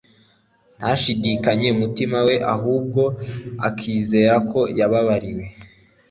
ntashidikanye mutima we ahubwo akizera ko yababariwe